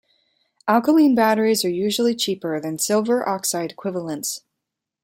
Alkaline batteries are usually cheaper than silver oxide equivalents.